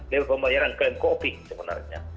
l carbs pembayaran klaim kopi sebenarnya